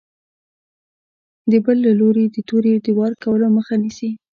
د بل له لوري د تورې د وار کولو مخه نیسي.